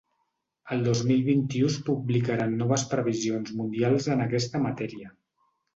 El dos mil vint-i-u es publicaran noves previsions mundials en aquesta matèria.